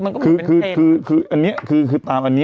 มันก็เหมือนเป็นเพศ